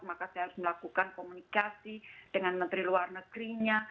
maka saya harus melakukan komunikasi dengan menteri luar negerinya